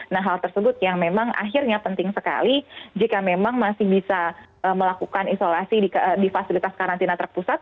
nah hal tersebut yang memang akhirnya penting sekali jika memang masih bisa melakukan isolasi di fasilitas karantina terpusat